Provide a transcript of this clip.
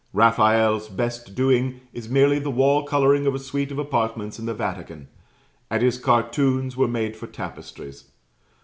Raphael's best doing is merely the wall colouring of a suite of apartments in the Vatican, and his cartoons were made for tapestries.